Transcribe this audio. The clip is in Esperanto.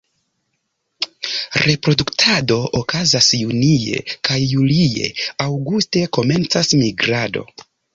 Reproduktado okazas junie kaj julie; aŭguste komencas migrado.